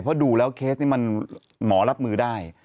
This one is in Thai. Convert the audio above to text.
เพราะดูแล้วเคสนี้มันหมอรับมือได้